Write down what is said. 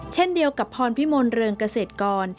เช่นเดียวกับพรพิมลเริงเกษตรกร